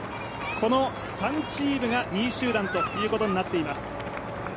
この３チームが２位集団ということになっています。